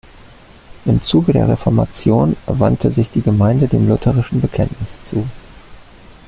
Im Zuge der Reformation wandte sich die Gemeinde dem lutherischen Bekenntnis zu.